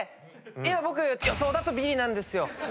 今僕予想だとビリなんですよ。